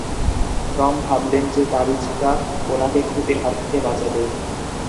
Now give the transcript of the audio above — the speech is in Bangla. টম ভাবলেন যে তাবিজটা ওনাকে ক্ষতির হাত থেকে বাঁচাবে।